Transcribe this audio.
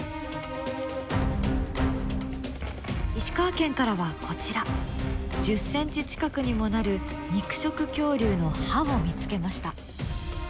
石川県からはこちら１０ｃｍ近くにもなる肉食恐竜の歯を見つけました。